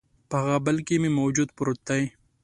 په هغه بل کي مې وجود پروت دی